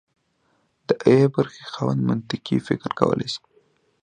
د ای برخې خاوند منطقي فکر کولی شي.